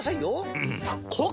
うん！